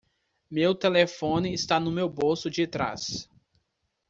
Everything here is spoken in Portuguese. Meu telefone está no meu bolso de trás.